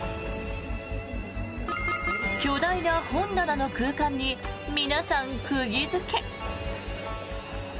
巨大な本棚の空間に皆さん釘付け。